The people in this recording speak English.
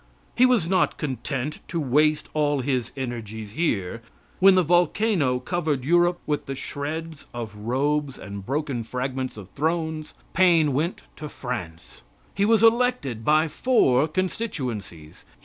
He was not content to waste all his energies here. When the volcano covered Europe with the shreds of robes and the broken fragments of thrones, Paine went to France. He was elected by four constituencies.